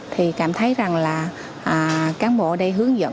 thì cảm thấy rằng là cán bộ ở đây hướng dẫn